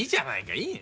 いい。